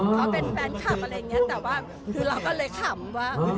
เขาเป็นแฟนคลับอะไรอย่างนี้แต่ว่าคือเราก็เลยขำว่า